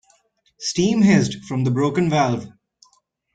Steam hissed from the broken valve.